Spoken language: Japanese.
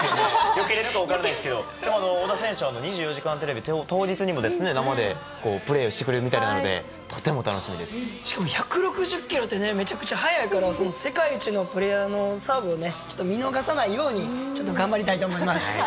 よけれるか分からないですけど、小田選手は２４時間テレビ当日にも、生でプレーをしてくれるみたしかも１６０キロってね、めちゃくちゃ速いから、その世界一のプレーヤーのサーブをね、ちょっと見逃さないように、ちょっと頑張りたいと思います。